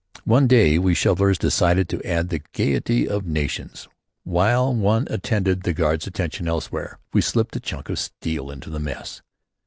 One day we shovelers decided to add to the gaiety of nations. While one attracted the guards' attention elsewhere we slipped a chunk of steel into the mess.